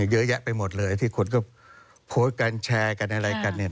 เยอะแยะไปหมดเลยที่คนก็โพสต์กันแชร์กันอะไรกันเนี่ย